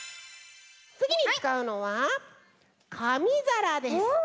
つぎにつかうのはかみざらです。